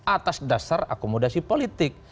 atas dasar akomodasi politik